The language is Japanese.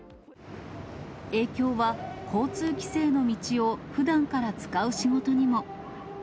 影響は、交通規制の道をふだんから使う仕事にも。